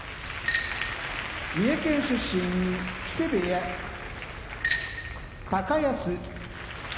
三重県出身木瀬部屋高安